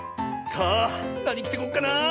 さあなにきてこっかなあ。